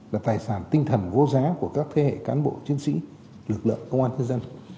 là tài sản tinh thần vô giá của các thế hệ cán bộ chiến sĩ lực lượng công an nhân dân